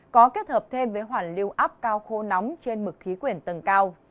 có kết hợp thêm với hoàn lưu áp cao khô nóng trên mực khí quyển tầng cao